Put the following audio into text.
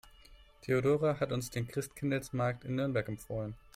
Theodora hat uns den Christkindlesmarkt in Nürnberg empfohlen.